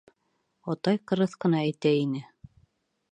Атай ҡырыҫ ҡына әйтә ине: